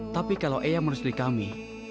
tapi kalau eyang merestui kami